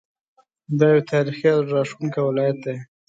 دا یو تاریخي او زړه راښکونکی ولایت دی.